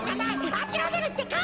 あきらめるってか。